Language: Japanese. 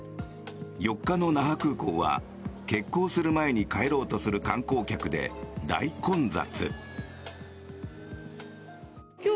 ４日の那覇空港は欠航する前に帰ろうとする観光客で大混雑。